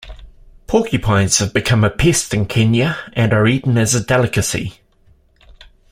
Porcupines have become a pest in Kenya and are eaten as a delicacy.